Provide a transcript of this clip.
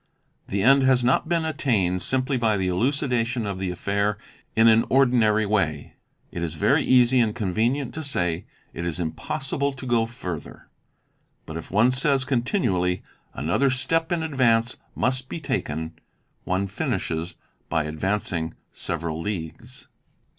The end has not been attained simply by the elucidation of the affair in an ordinary way. It is very easy and convenient to say, "It is impossible to go further."' But if one says continually, 'Another step in advance must be taken," one finishes by advancing several leagues.